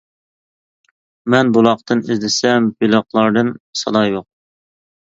مەن بۇلاقتىن ئىزدىسەم، بېلىقلاردىن سادا يوق.